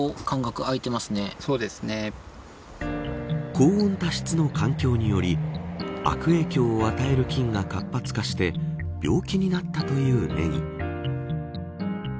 高温多湿の環境により悪影響を与える菌が活発化して病気になったというネギ。